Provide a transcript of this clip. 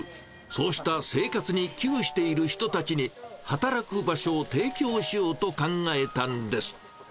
そうした生活に窮している人たちに、働く場所を提供しようと考えたんです。